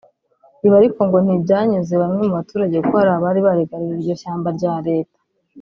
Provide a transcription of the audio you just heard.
ibi ariko ngo ntibyanyuze bamwe mu baturage kuko hari abari barigaruriye iryo shyamba rya Leta